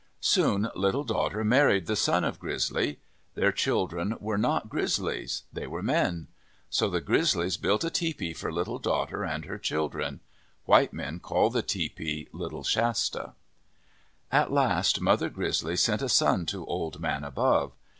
Soon Little Daughter married the son of Grizzly. Their children were not Grizzlies. They were men. So the Grizzlies built a tepee for Little Daughter and her children. White men call the tepee Little Shasta. At last Mother Grizzly sent a son to Old Man Above.